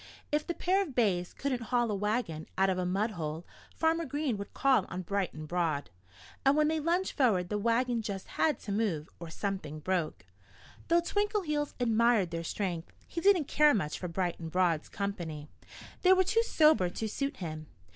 If the pair of bays couldn't haul a wagon out of a mud hole Farmer Green would call on Bright and Broad. And when they lunged forward the wagon just had to move or something broke. Though Twinkleheels admired their strength, he didn't care much for Bright and Broad's company. They were too sober to suit him.